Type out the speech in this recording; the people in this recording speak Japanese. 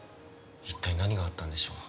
一体何があったんでしょう